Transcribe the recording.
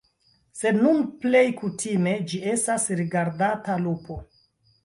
Sed nun plej kutime ĝi estas rigardata lupo.